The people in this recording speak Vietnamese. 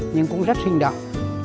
nhưng cũng rất sinh động